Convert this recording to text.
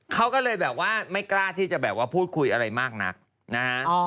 เขาก็เลยแบบว่าไม่กล้าที่จะแบบว่าพูดคุยอะไรมากนักนะฮะ